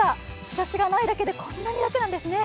日ざしがないだけでこんなに楽なんですね。